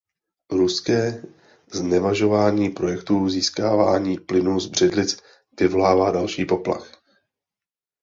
Ruské znevažování projektů získávání plynu z břidlic vyvolává další poplach.